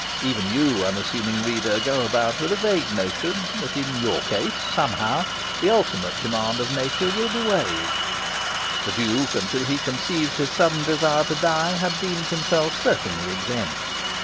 Even you, unassuming reader, go about with a vague notion that in your case, somehow, the ultimate demand of nature will be waived. The Duke, until he conceived his sudden desire to die, had deemed himself certainly exempt.